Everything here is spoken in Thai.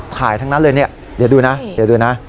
ทั้งนั้นเลยเนี่ยเดี๋ยวดูนะเดี๋ยวดูนะ